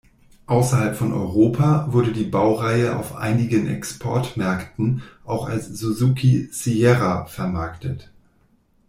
Außerhalb von Europa wurde die Baureihe auf einigen Exportmärkten auch als Suzuki Sierra vermarktet.